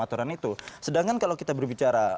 aturan itu sedangkan kalau kita berbicara